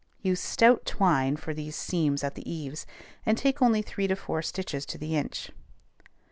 Use stout twine for these seams at the eaves, and take only three to four stitches to the inch.